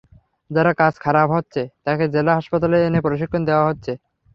যার কাজ খারাপ হচ্ছে, তাকে জেলা হাসপাতালে এনে প্রশিক্ষণ দেওয়া হচ্ছে।